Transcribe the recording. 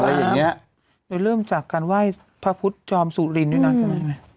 อะไรอย่างเงี้ยโดยเริ่มจากการไหว้พระพุทธจอมสุรินทร์ด้วยนะอืม